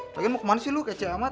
lagi mau kemana sih lo kece amat